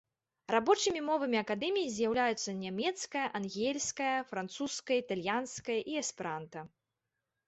Рабочымі мовамі акадэміі з'яўляюцца нямецкая, англійская, французская, італьянская і эсперанта.